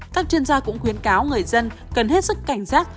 các chuyên gia cũng khuyến cáo người dân cần hết sức cảnh giác